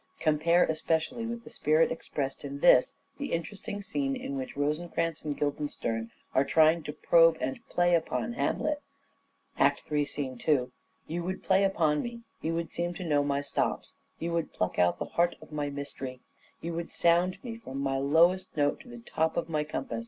Compare especially with the spirit expressed in this, the interesting scene in which Rosencrantz and Guildenstern are trying to probe and "play upon" Hamlet (III. 2). "You would play upon me ; you would seem to know my stops ; you would pluck out the heart of my mystery ; you would sound me from my lowest note to the top of my compass.